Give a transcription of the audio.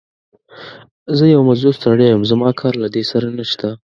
زه يو مزدور سړی يم، زما کار له دې سره نشته.